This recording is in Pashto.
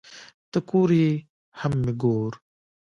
ته کور یې هم مې گور